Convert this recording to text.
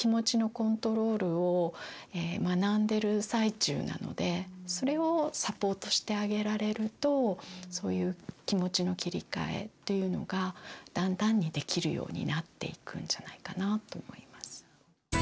子どもはそれをサポートしてあげられるとそういう気持ちの切り替えというのがだんだんにできるようになっていくんじゃないかなと思います。